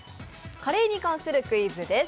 カレーに関するクイズです。